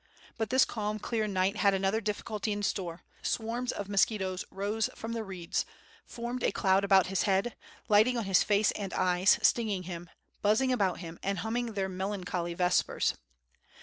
But this calm, clear night had another difficulty in store; swarms of mosquitoes rose from the reeds, formed a cloud about his head, lighting on his face, and eyes, stinging him, buzzing about him, and humming their melancholy vespers.